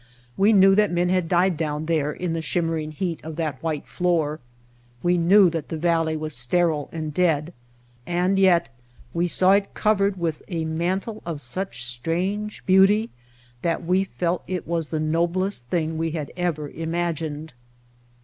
We knew that men had died down there in the shimmering heat of that white floor, we knew that the valley was sterile and dead, and yet we saw it covered with a mantle of such strange beauty that we felt it was the noblest thing we had ever imagined.